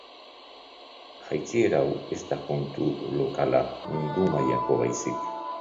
Jaitsiera hau ez da kontu lokala mundu mailako baizik.